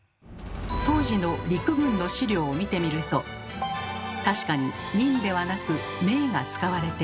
当時の陸軍の資料を見てみると確かに「人」ではなく「名」が使われています。